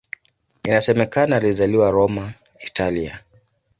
Inasemekana alizaliwa Roma, Italia.